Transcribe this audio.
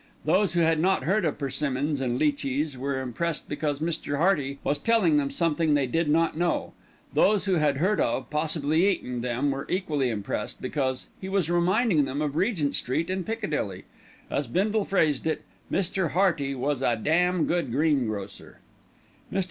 Those who had not heard of persimmons and li chis were impressed because Mr. Hearty was telling them something they did not know; those who had heard of, possibly eaten, them were equally impressed, because he was reminding them of Regent Street and Piccadilly. As Bindle phrased it, Mr. Hearty was "a damn good greengrocer." Mr.